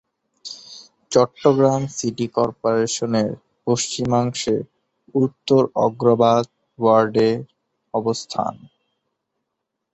Chittagong city কর্পোরেশনের পশ্চিমাংশে উত্তর আগ্রাবাদ ওয়ার্ডের অবস্থান।